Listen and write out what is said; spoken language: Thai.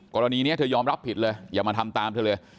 กรณีนี้เธอยอมรับผิดเลยอย่ามาทำตามเธอเลย